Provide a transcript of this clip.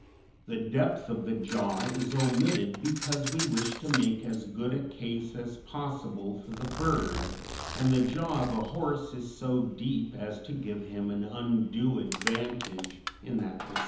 The depth of the jaw is omitted because we wish to make as good a case as possible for the bird, and the jaw of a horse is so deep as to give him an undue advantage in that respect.